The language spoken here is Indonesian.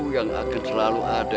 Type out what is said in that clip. yang akan selalu ada